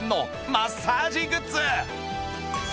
マッサージグッズ